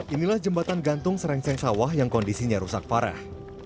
inilah jembatan gantung serengseng sawah yang kondisinya rusak parah